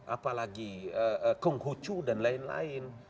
apalagi kong hucu dan lain lain